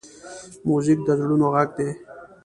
موزیک د زړونو غږ دی.